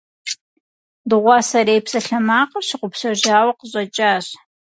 Дыгъуасэрей псалъэмакъыр щыгъупщэжауэ къыщӏэкӏащ.